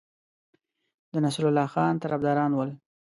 د نصرالله خان طرفداران ول.